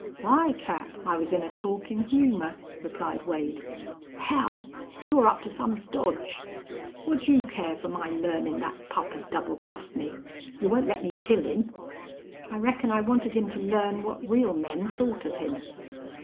"Why, Cap, I was in a talkin' humor," replied Wade. "Hell! You're up to some dodge. What'd you care fer my learnin' thet pup had double crossed me? You won't let me kill him." "I reckon I wanted him to learn what real men thought of him."